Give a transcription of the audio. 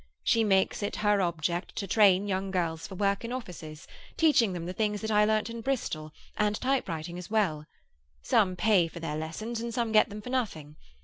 She makes it her object to train young girls for work in offices, teaching them the things that I learnt in Bristol, and typewriting as well. Some pay for their lessons, and some get them for nothing.